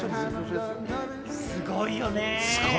すごいよね。